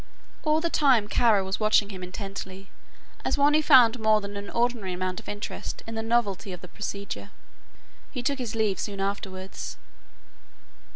All the time Kara was watching him intently as one who found more than an ordinary amount of interest in the novelty of the procedure. He took his leave soon afterwards.